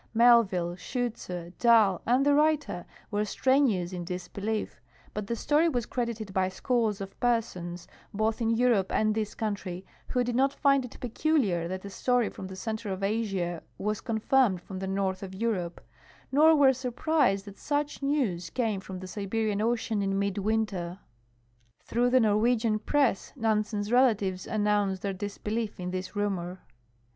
Melville, Schutze, Dali, and the writer were strenuous in disbelief, hut the story was credited by scores of persons, both in Europe and this country, who did not find it peculiar that a story from the center of Asia was confirmed from the north of Europe, nor were surprised that such news came from the Si berian ocean in midwinter. Through the Norwegian press Nan sen's relatives announce their disbelief in this rumor.